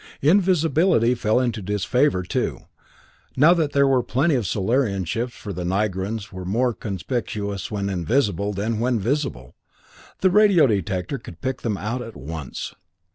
Invisibility fell into disfavor, too, now that there were plenty of Solarian ships, for the Nigrans were more conspicuous when invisible than when visible. The radio detector could pick them out at once.